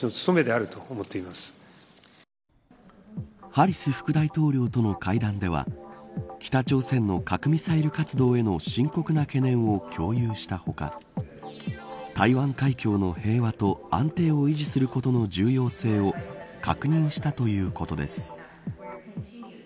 ハリス副大統領との会談では北朝鮮の核・ミサイル活動への深刻な懸念を共有した他台湾海峡の平和と安定を維持することの重要性を確認したということです。